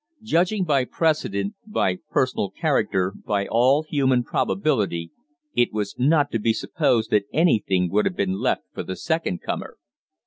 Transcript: Judging by precedent, by personal character, by all human probability, it was not to be supposed that anything would have been left for the second comer.